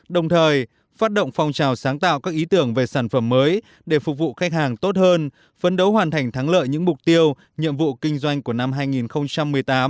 đồng thời phát động phong trào sáng tạo các ý tưởng về sản phẩm mới để phục vụ khách hàng tốt hơn phấn đấu hoàn thành thắng lợi những mục tiêu nhiệm vụ kinh doanh của năm hai nghìn một mươi tám